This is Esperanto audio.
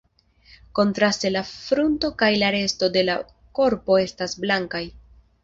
Kontraste la frunto kaj la resto de la korpo estas blankaj.